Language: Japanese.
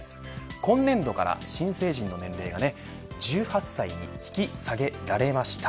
今年度から新成人の年齢が１８歳に引き下げられました。